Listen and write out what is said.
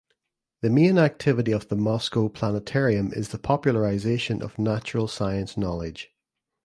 The main activity of the Moscow Planetarium is the popularization of natural science knowledge.